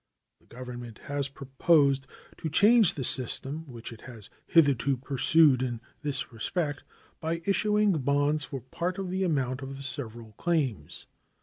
That Government has proposed to change the system which it has hitherto pursued in this respect by issuing bonds for part of the amount of the several claims.